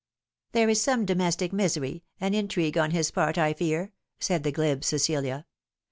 " There is some domestic misery an intrigue on his part, I fear," said the glib Cecilia.